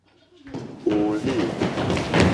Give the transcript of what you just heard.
Òòle.